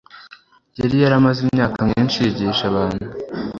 Yari yaramaze imyaka myinshi yigisha abantu